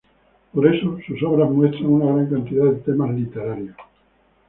Por eso sus obras muestran una gran cantidad de temas literarios.